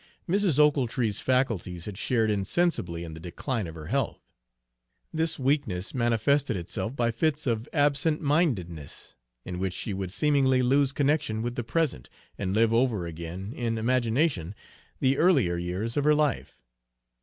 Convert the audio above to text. Mrs. Ochiltree's faculties had shared insensibly in the decline of her health. This weakness manifested itself by fits of absent mindedness, in which she would seemingly lose connection with the present, and live over again, in imagination, the earlier years of her life.